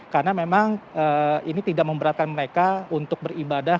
karena memang ini tidak memberatkan mereka untuk beribadah